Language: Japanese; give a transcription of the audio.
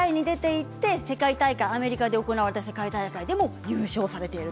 世界大会、アメリカで行われた世界大会でも優勝されました。